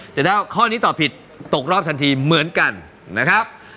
แต่ถ้าข้อนี้ตอบผิดตกรอบทันทีเหมือนกันนะครับ